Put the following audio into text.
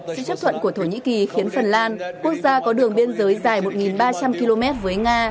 sự chấp thuận của thổ nhĩ kỳ khiến phần lan quốc gia có đường biên giới dài một ba trăm linh km với nga